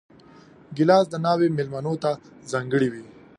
ګیلاس د ناوې مېلمنو ته ځانګړی وي.